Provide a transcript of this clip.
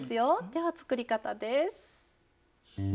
では作り方です。